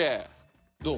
どう？